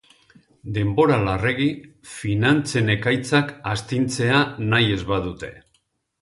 Denbora larregi, finantzen ekaitzak astintzea nahi ez badute.